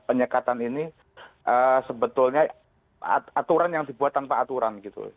penyekatan ini sebetulnya aturan yang dibuat tanpa aturan gitu